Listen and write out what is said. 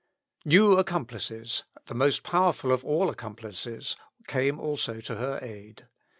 New accomplices, the most powerful of all accomplices, came also to her aid.